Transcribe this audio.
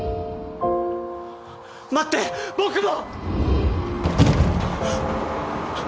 待って僕も！